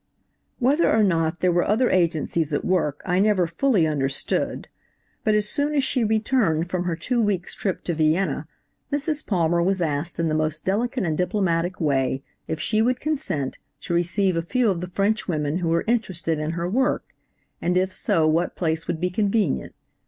"Whether or not there were other agencies at work I never fully understood, but as soon as she returned from her two weeks' trip to Vienna, Mrs. Palmer was asked in the most delicate and diplomatic way if she would consent to receive a few of the French women who were interested in her work, and if so what place would be convenient.